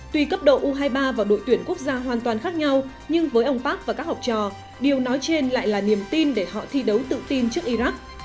tuy cấp độ u hai mươi ba và đội tuyển quốc gia hoàn toàn khác nhau nhưng với ông park và các học trò điều nói trên lại là niềm tin để họ thi đấu tự tin trước iraq